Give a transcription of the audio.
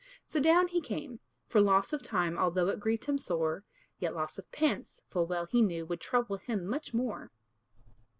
So down he came; for loss of time, Although it grieved him sore, Yet loss of pence, full well he knew, Would trouble him much more.